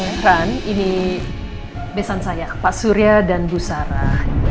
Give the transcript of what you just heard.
oh by the way ran ini besan saya pak surya dan bu sarah